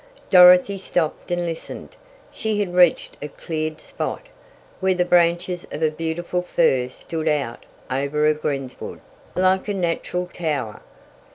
Dorothy stopped and listened. She had reached a cleared spot, where the branches of a beautiful fir stood out over a greensward, like a natural tower.